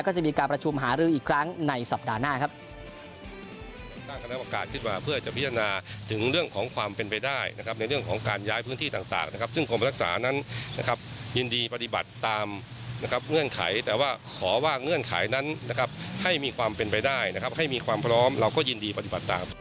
ก็จะมีการประชุมหารืออีกครั้งในสัปดาห์หน้าครับ